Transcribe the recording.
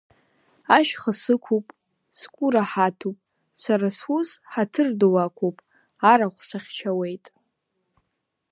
Ашьха сықәуп, сгәы раҳаҭуп, сара сус ҳаҭыр ду ақәуп, арахә сыхьчауеит.